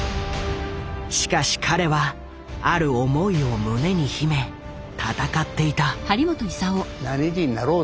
しかし彼はある思いを胸に秘め戦っていた。